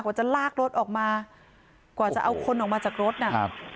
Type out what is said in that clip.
กว่าจะลากรถออกมากว่าจะเอาคนออกมาจากรถน่ะ